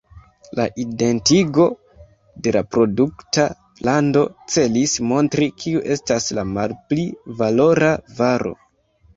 La identigo de la produkta lando celis montri kiu estas la malpli valora varo.